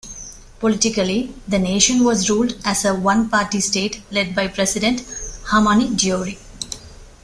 Politically, the nation was ruled as a one-party state led by president Hamani Diori.